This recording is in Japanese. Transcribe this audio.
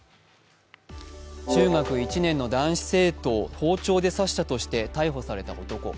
中学１年の男子生徒を包丁で刺したとして逮捕された男。